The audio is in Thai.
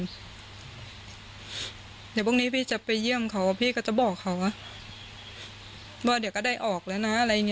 เดี๋ยวพรุ่งนี้พี่จะไปเยี่ยมเขาพี่ก็จะบอกเขาว่าเดี๋ยวก็ได้ออกแล้วนะอะไรอย่างนี้